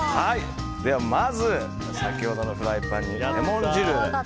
ではまず先ほどのフライパンにレモン汁。